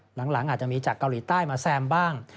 หลังอาจจะมีจากเกาหลีใต้มาแซมบ้าง